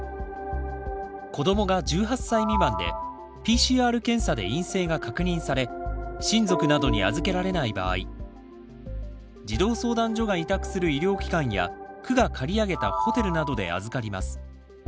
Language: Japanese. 子どもが１８歳未満でＰＣＲ検査で陰性が確認され親族などに預けられない場合児童相談所が委託する医療機関や区が借り上げたホテルなどで預かります。